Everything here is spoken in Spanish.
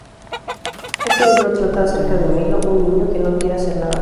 Este libro trata acerca de Milo, un niño que no quiere hacer nada.